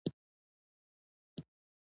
وزې د کوچنیو ماشومانو ناز خوښوي